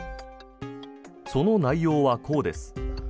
その内容はこうです。